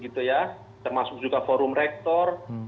termasuk juga forum rektor